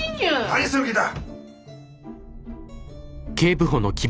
何する気だ！